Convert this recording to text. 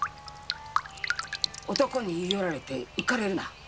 「男に言い寄られて浮かれるな」